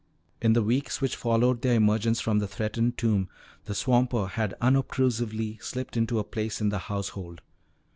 In the weeks which followed their emergence from the threatened tomb, the swamper had unobtrusively slipped into a place in the household.